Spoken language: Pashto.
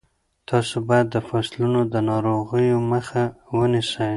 تاسو باید د فصلونو د ناروغیو مخه ونیسئ.